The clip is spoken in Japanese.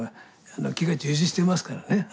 気が充実してますからね。